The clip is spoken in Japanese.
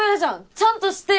ちゃんとしてよ！